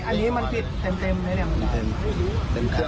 อันนี้มันผิดเต็มเลยเนี่ย